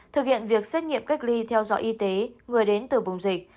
thực hiện việc xét nghiệm cách ly theo dõi y tế người đến từ vùng dịch